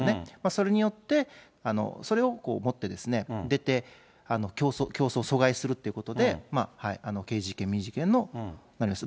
それによって、それを持って出て、競争を阻害するっていうことで、刑事事件、民事事件になります。